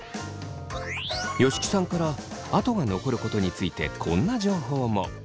吉木さんから跡が残ることについてこんな情報も。